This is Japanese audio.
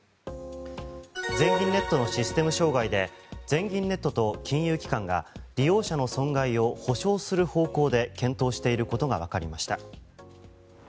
全銀ネットのシステム障害で全銀ネットと金融機関が利用者の損害を補償する方向で検討していることがわかりました。